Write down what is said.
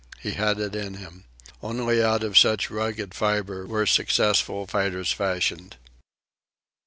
He had it in him. Only out of such rugged fibre were successful fighters fashioned.